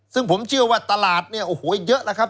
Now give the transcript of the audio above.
ซึ่งผมเชื่อว่าตลาดเนี่ยโอ้โหเยอะแล้วครับ